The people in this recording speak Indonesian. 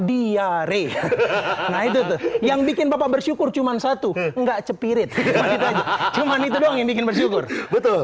hari yang bikin bapak bersyukur cuman satu enggak cepirit cuman itu dong yang bikin bersyukur betul